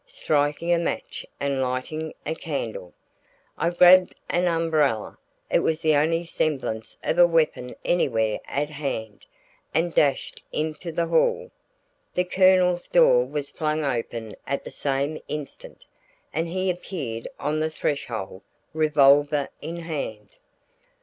Striking a match and lighting a candle, I grabbed an umbrella it was the only semblance of a weapon anywhere at hand and dashed into the hall. The Colonel's door was flung open at the same instant, and he appeared on the threshold, revolver in hand.